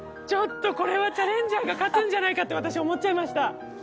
ちょっとこれはチャレンジャーが勝つんじゃないかって私思っちゃいました。